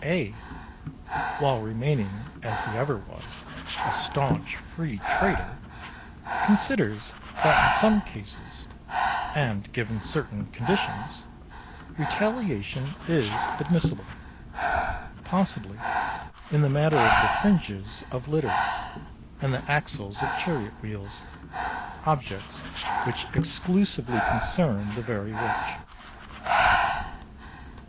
A.... while remaining, as he ever was, a staunch Free Trader, considers that in some cases and given certain conditions retaliation is admissible possibly in the matter of the fringes of litters and the axles of chariot wheels objects which exclusively concern the very rich.